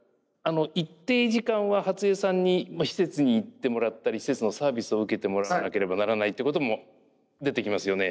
一定時間は初江さんに施設に行ってもらったり施設のサービスを受けてもらわなければならないっていうことも出てきますよね。